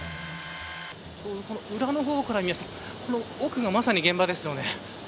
ちょうど裏の方から見ますとこの奥がまさに現場ですよね。